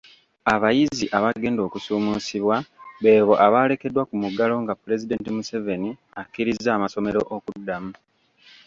Abayizi abagenda okusuumusibwa beebo abaalekeddwa ku muggalo nga Pulezidenti Museveni akkiriza amasomero okuddamu .